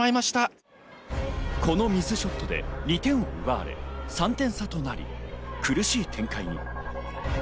このミスショットで２点を奪われ３点差となり、苦しい展開に。